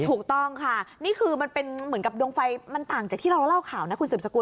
ถูกต้องค่ะนี่คือมันเป็นเหมือนกับดวงไฟมันต่างจากที่เราเล่าข่าวนะคุณสืบสกุล